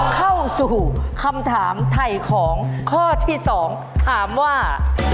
เข้าสู่คำถามไถ่ของข้อที่๒ถามว่า